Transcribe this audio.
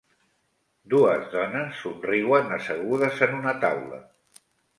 Dues dones somriuen assegudes en una taula